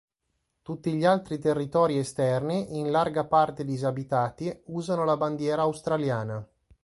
Tutti gli altri territori esterni, in larga parte disabitati, usano la bandiera australiana.